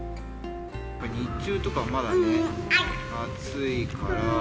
日中とかまだね、暑いから。